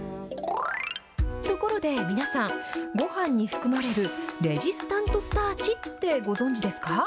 ところで皆さん、ごはんに含まれるレジスタントスターチってご存じですか？